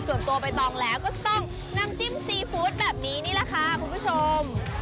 ส่วนตัวใบตองแล้วก็จะต้องน้ำจิ้มซีฟู้ดแบบนี้นี่แหละค่ะคุณผู้ชม